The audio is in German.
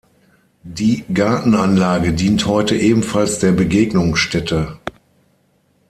Die Gartenanlage dient heute ebenfalls der Begegnungsstätte.